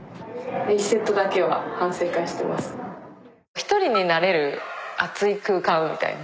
１人になれる熱い空間みたいな。